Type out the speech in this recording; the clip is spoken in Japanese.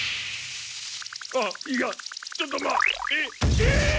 あっいやちょっとえっ？え！